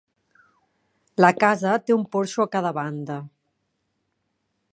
La casa té un porxo a cada banda.